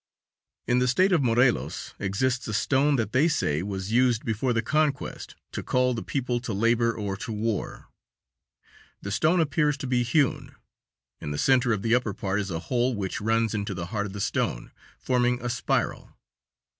In the State of Morelos exists a stone that they say was used before the conquest to call the people to labor or to war. The stone appears to be hewn, in the center of the upper part is a hole which runs into the heart of the stone, forming a spiral.